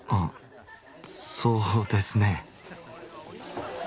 そうですね。